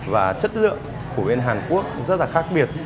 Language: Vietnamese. và chất lượng của bên hàn quốc rất là khác biệt